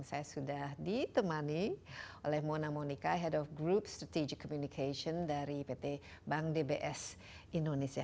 saya sudah ditemani oleh mona monika head of group strategic communication dari pt bank dbs indonesia